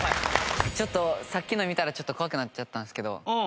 さっきの見たらちょっと怖くなっちゃったんですけど。